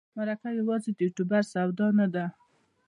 مرکه یوازې د یوټوبر سودا نه ده.